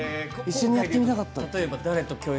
一緒にやってみたかったというのが。